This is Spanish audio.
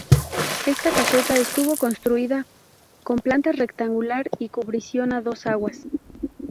Esta caseta estuvo construida con planta rectangular y cubrición a dos aguas.